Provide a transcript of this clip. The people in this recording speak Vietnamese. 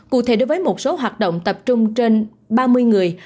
cụ thể đối với một số hoạt động tập trung trên ba mươi người